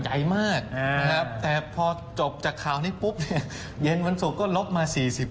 ใหญ่มากนะครับแต่พอจบจากข่าวนี้ปุ๊บเนี่ยเย็นวันศุกร์ก็ลบมา๔๐